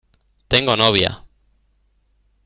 Tengo novia.